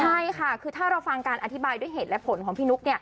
ใช่ค่ะคือถ้าเราฟังการอธิบายด้วยเหตุและผลของพี่นุ๊ก